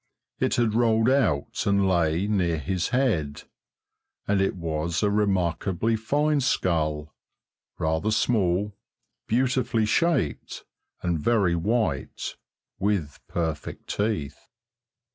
It had rolled out and lay near his head, and it was a remarkably fine skull, rather small, beautifully shaped and very white, with perfect teeth.